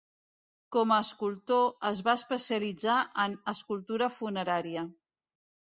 Com a escultor, es va especialitzar en escultura funerària.